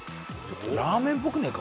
ラーメンっぽくねえか？